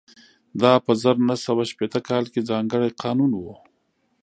دا په زر نه سوه شپېته کال کې ځانګړی قانون و